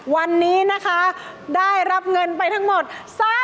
วันนี้นะคะได้รับเงินไปทั้งหมด๓๔๐๐๐บาท